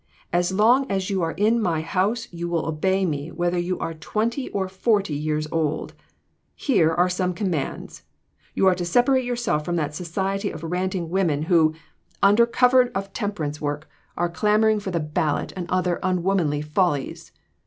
As long as you are in my house you will obey me whether you are twenty or forty years old. Here are some commands : You are to separate your self from that society of ranting women who, 382 A MODERN MARTYR. under cover of temperance work, are clamoring for the ballot and other unwomanly follies.